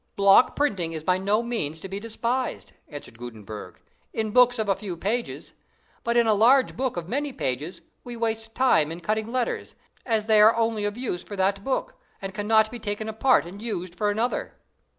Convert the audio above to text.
"Block printing is by no means to be despised," answered Gutenberg, "in books of a few pages; but in a large book of many pages, we waste time in cutting letters, as they are only of use for that book, and cannot be taken apart and used for another."